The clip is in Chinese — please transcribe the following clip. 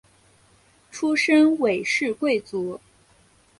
出身韦氏贵族。